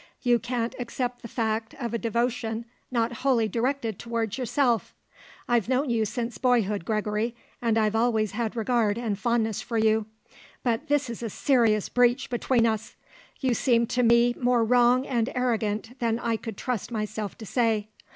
You can't accept the fact of a devotion not wholly directed towards yourself. I've known you since boyhood, Gregory, and I've always had regard and fondness for you; but this is a serious breach between us. You seem to me more wrong and arrogant than I could trust myself to say.